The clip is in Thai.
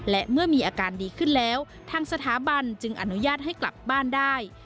และเมื่อมีอาการดีขึ้นแล้วทางสถาบันจึงอนุญาตให้กลับบ้านได้